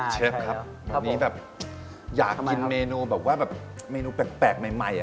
เชฟครับวันนี้แบบอยากกินเมนูแบบว่าแบบเมนูแปลกใหม่